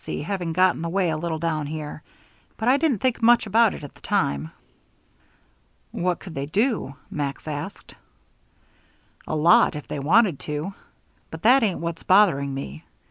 C. having got in the way a little down here, but I didn't think much about it at the time." "What could they do?" Max asked. "A lot, if they wanted to. But that ain't what's bothering me.